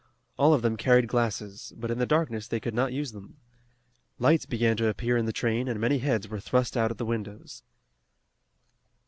All of them carried glasses, but in the darkness they could not use them. Lights began to appear in the train and many heads were thrust out at the windows.